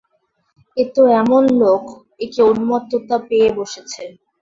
এতো এমন লোক, একে উন্মত্ততা পেয়ে বসেছে।